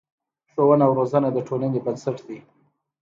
ښوونه او روزنه د ټولنې بنسټ دی.